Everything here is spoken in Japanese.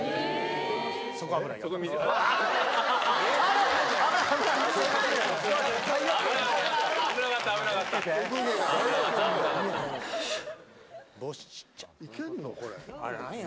そこ危ないよ。